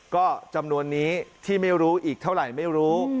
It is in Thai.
ก็จำนวนนี้ที่ไม่รู้อีกเท่าไหร่ไม่รู้